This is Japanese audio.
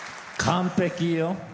完璧よ。